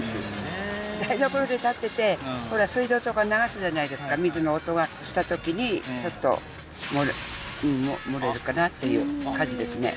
台所で立っててほら水道とか流すじゃないですか水の音がした時にちょっとうんもれるかなという感じですね